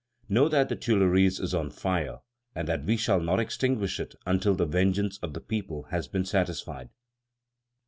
Know that the Tuileries is on fire, and that we shall not extinguish it until the vengeance of the people has been satisfied!"